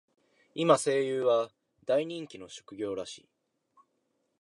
今、声優は大人気の職業らしい。